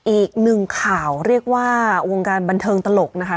อีกหนึ่งข่าวเรียกว่าวงการบันเทิงตลกนะคะ